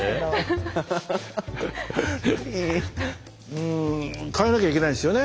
うん換えなきゃいけないんですよね。